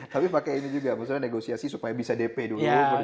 tapi pakai ini juga maksudnya negosiasi supaya bisa dp dulu